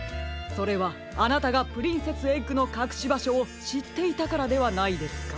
それはあなたがプリンセスエッグのかくしばしょをしっていたからではないですか？